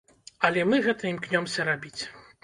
Але мы гэта імкнёмся рабіць.